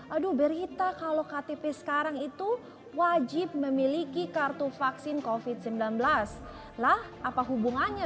aduh berita kalau ktp sekarang itu wajib memiliki kartu vaksin covid sembilan belas lah apa hubungannya